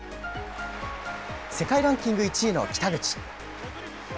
世界ランキング１位の北口。